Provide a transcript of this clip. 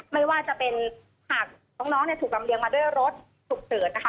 ไม่ว่าจะเป็นหากน้องถูกลำเลียงมาด้วยรถฉุกเฉินนะคะ